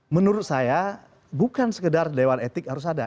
menurut saya bukan sekedar dewan etik harus ada